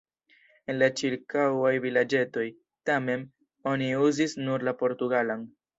En la ĉirkaŭaj vilaĝetoj, tamen, oni uzis nur la portugalan.